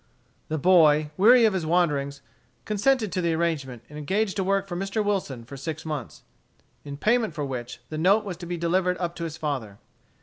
The boy, weary of his wanderings, consented to the arrangement, and engaged to work for Mr. Wilson for six months, in payment for which, the note was to be delivered up to his father.